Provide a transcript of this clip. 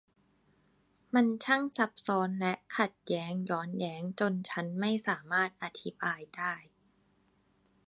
มันช่างซับซ้อน และขัดแย้งย้อนแยง จนฉันไม่สามารถอธิบายได้